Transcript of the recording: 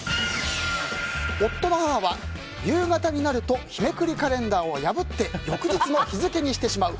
夫の母は夕方になると日めくりカレンダーを破って翌日の日付にしてしまう。